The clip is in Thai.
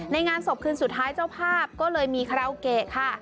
งานศพคืนสุดท้ายเจ้าภาพก็เลยมีคาราโอเกะค่ะ